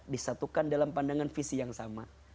disatukan dalam pandangan visi yang sama